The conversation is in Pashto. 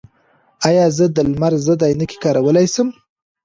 ایا زه د لمر ضد عینکې کارولی شم؟